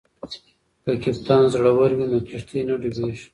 که کپتان زړور وي نو کښتۍ نه ډوبیږي.